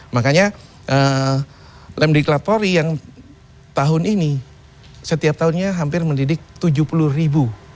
makanya lemdiklat polri yang tahun ini setiap tahunnya hampir mendidik tujuh puluh ribu